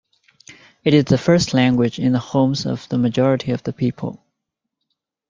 It is the first language in the homes of the majority of the people.